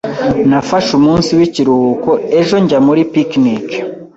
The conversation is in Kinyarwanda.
Nafashe umunsi w'ikiruhuko ejo njya muri picnic.